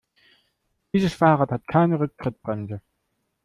Dieses Fahrrad hat keine Rücktrittbremse.